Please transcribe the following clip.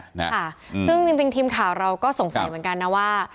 นะคะซึ่งจริงทีมข่าวเราก็สงสัยเหมือนกันนะว่า